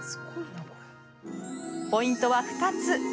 ポイントは２つ。